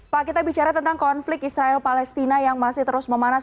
pak kita bicara tentang konflik israel palestina yang masih terus memanas